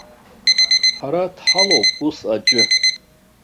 Ҳара дҳалоуп ус аӡәы.